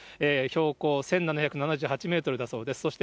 標高１７７８メートルだそうです。